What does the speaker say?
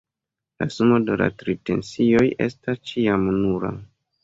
La sumo de la tri tensioj estas ĉiam nula.